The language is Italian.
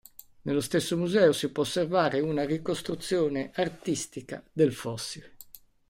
Nello stesso museo si può osservare una ricostruzione artistica del fossile.